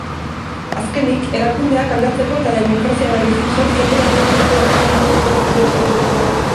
Azkenik, erakundeak aldatzeko eta demokrazia berriz sortzeko erreformak planteatuko dituzte.